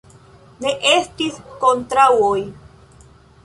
Ne estis kontraŭoj.